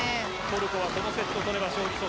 トルコはこのセットを取れば勝利。